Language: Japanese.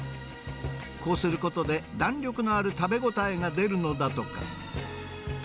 こうすることで、弾力のある食べ応えが出るのだとか。